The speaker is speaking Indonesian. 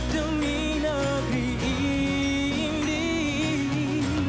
demi negeri ini